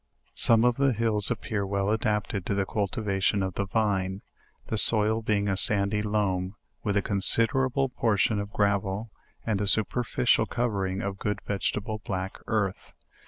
Some of the hills appear well adapted to the cultivation of the vine; the soil being a san dy loam, with a considerable portion of .gravel, and a super ficial covering of good vegetable black earth.